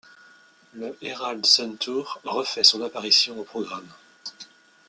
Le Herald Sun Tour refait son apparition au programme.